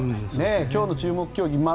今日の注目競技